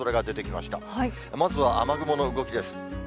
まずは雨雲の動きです。